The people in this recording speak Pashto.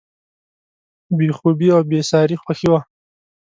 بې خوبي او بېساري خوښي وه.